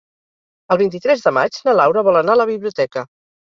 El vint-i-tres de maig na Laura vol anar a la biblioteca.